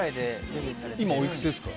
今おいくつですか？